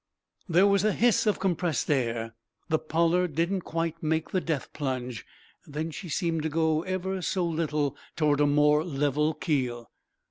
There was a hiss of compressed air. The "Pollard" didn't quite make the death plunge. Then she seemed to go, ever so little, toward a more level keel.